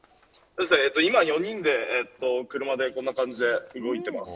今４人で車でこんな感じで動いています。